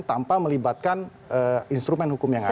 tanpa melibatkan instrumen hukum yang ada